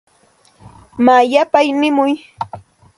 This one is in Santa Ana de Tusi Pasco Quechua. Maa yapay nimuy.